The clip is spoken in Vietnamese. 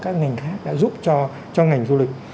các ngành khác đã giúp cho ngành du lịch